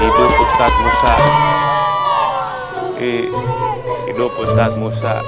hidup ustadz musa hidup ustadz musa